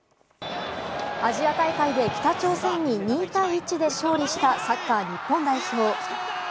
アジア大会で北朝鮮に２対１で勝利したサッカー日本代表。